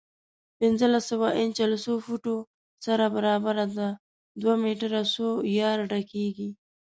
پنځلس سوه انچه له څو فوټو سره برابره ده؟ دوه میټر څو یارډه کېږي؟